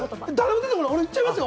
俺、言っちゃいますよ？